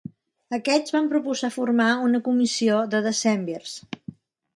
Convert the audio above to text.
Aquests van proposar formar una comissió de decemvirs.